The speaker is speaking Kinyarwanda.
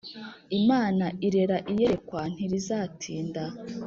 Imana irera Iyerekwa ntirizatinda